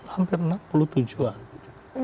hampir enam puluh tujuan